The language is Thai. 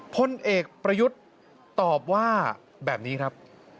พลเอกประยุทธ์ตอบว่าแบบนี้ครับ